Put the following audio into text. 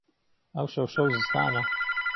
ئهوشهو شهو زستانه